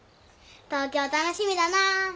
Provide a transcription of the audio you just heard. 東京楽しみだな。